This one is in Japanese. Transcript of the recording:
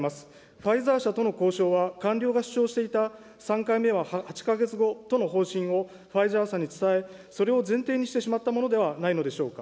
ファイザー社との交渉は、官僚が主張していた３回目は８か月後との方針をファイザー社に伝え、それを前提にしてしまったものではないのでしょうか。